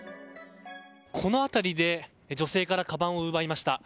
この辺りで女性からかばんを奪いました。